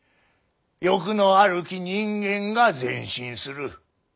欲のあるき人間が前進する。